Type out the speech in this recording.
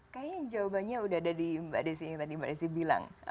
kayaknya jawabannya udah ada di mbak desi yang tadi mbak desi bilang